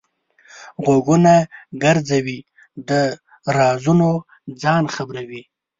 غوږونه ګرځوي؛ د رازونو ځان خبروي.